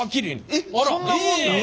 えっそんなもんなん！？